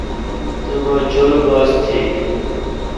تبا چور باس تھی۔